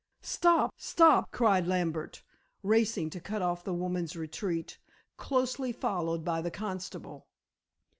"Stop! stop!" cried Lambert, racing to cut off the woman's retreat, closely followed by the constable.